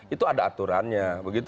itu ada aturannya